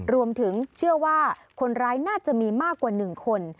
รวมถึงเชื่อว่าคนร้ายน่าจะมีมากกว่า๑คน